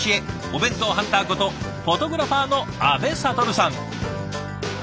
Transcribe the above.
お弁当ハンターことフォトグラファーの阿部了さん。